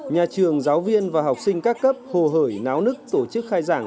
nhà trường giáo viên và học sinh các cấp hồ hởi náo nức tổ chức khai giảng